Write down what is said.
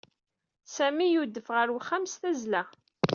Sami yudef ɣer uxxam s tazzla.